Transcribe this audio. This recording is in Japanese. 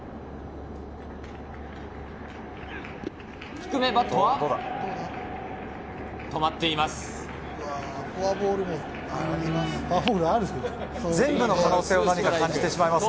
低め、バットは止まっています。